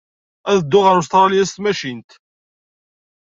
Ad dduɣ ɣer Ustṛalya s tmacint.